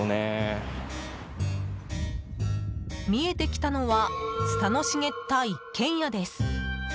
見えてきたのはツタの茂った一軒家です。